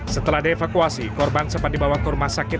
setelah dievakuasi korban sempat dibawa ke rumah sakit